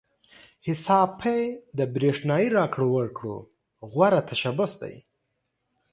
حساب پې د برېښنايي راکړو ورکړو غوره تشبث دی.